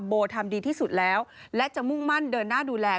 โบทำดีที่สุดแล้วและจะมุ่งมั่นเดินหน้าดูแล